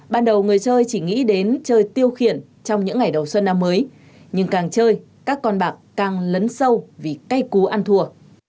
ban đầu người chơi chỉ nghĩ đến chơi tiêu khiển trong những ngày đầu xuân năm mới nhưng càng chơi các con bạc càng lấn sâu vì cay cú ăn thua